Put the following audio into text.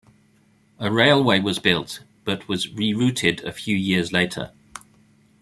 A railway was built but was re-routed a few years later.